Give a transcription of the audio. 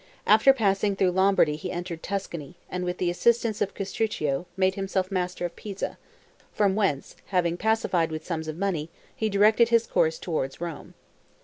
After passing through Lombardy he entered Tuscany, and with the assistance of Castruccio, made himself master of Pisa, from whence, having been pacified with sums of money, he directed his course towards Rome.